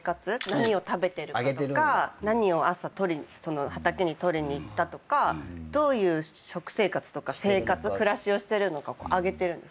何を食べてるかとか何を朝取りに畑に取りに行ったとかどういう食生活とか生活暮らしをしてるのか上げてる。